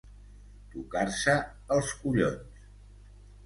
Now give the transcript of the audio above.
Tocar-se els collons.